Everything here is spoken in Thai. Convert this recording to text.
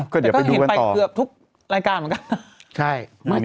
เกือบทุกรายการเหมือนกัน